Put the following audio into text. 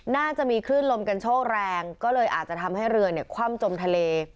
น่าจะมีคลื่นลมกันโชคแรงก็เลยอาจจะทำให้เรือเนี่ยคว่ำจมทะเล